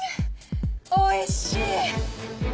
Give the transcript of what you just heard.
おいしい！